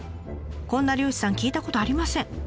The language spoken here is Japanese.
こんな漁師さん聞いたことありません。